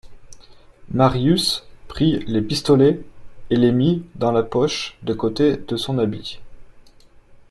Marius prit les pistolets et les mit dans la poche de côté de son habit.